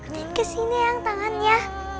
dan kesini yang tangannya